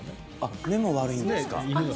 目も悪いんですか。